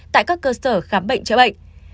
tại các cơ sở khám bệnh chữa bệnh